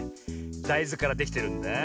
だいずからできてるんだあ。